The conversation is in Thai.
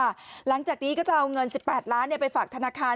หลังจากนี้ก็จะเอาเงิน๑๘ล้านไปฝากธนาคาร